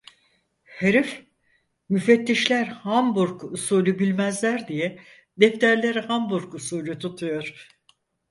Herif, müfettişler Hamburg usulü bilmezler diye defterleri Hamburg usulü tutuyor.